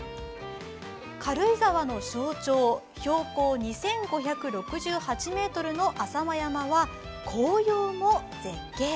軽井沢の象徴標高２５６８ｍの浅間山は紅葉も絶景。